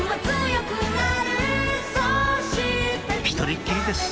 １人っきりです